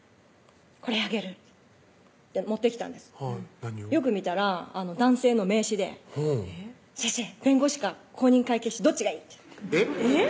これあげる」って持ってきたんですよく見たら男性の名刺で「先生弁護士か公認会計士どっちがいい？」ってえっ？